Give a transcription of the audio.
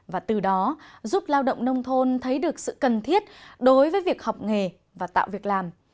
và từ đó giúp lao động nông thôn thấy được sự cần thiết đối với việc học nghề và tạo việc làm